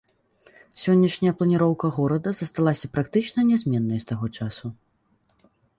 Сённяшняя планіроўка горада засталася практычна нязменнай з таго часу.